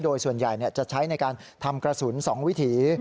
โดยส่วนใหญ่จะใช้ในการทำกระสุน๒วิถี